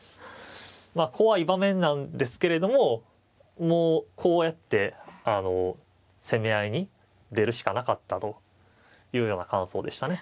まあ怖い場面なんですけれどももうこうやって攻め合いに出るしかなかったというのが感想でしたね。